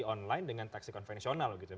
online dengan taksi konvensional gitu ya